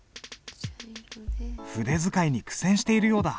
筆使いに苦戦しているようだ。